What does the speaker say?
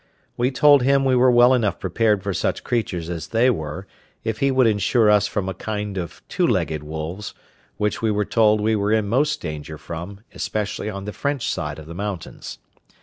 We told him we were well enough prepared for such creatures as they were, if he would insure us from a kind of two legged wolves, which we were told we were in most danger from, especially on the French side of the mountains.